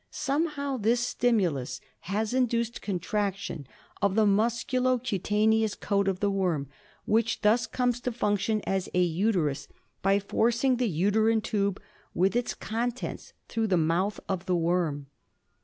Somehow this stimulus has induced contraction of the musculo cutaneous coat of the worm, which thus comes to function as a uterus by forcing the uterine tube with its contents through the mouth of the worm.